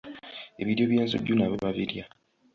Ebiryo by'ensujju nabyo babirya.